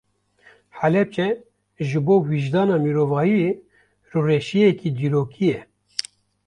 Helepçe ji bo wijdana mirovahiyê rûreşiyeke dîrokî ye.